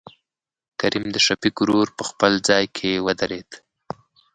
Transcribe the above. کريم دشفيق ورور په خپل ځاى کې ودرېد.